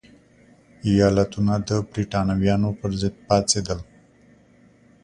ایالتونه د برېټانویانو پرضد پاڅېدل.